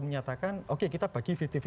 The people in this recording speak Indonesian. menyatakan oke kita bagi lima puluh lima